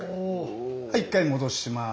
はい一回戻します。